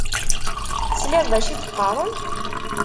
Tesliḍ d acu i d-qqaṛen?